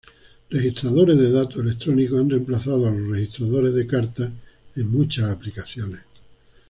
Registradores de datos electrónicos han reemplazado a los registradores de carta en muchas aplicaciones.